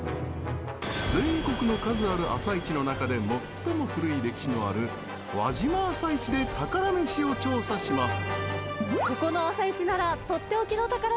全国の数ある朝市の中で最も古い歴史のある輪島朝市で宝メシを調査します。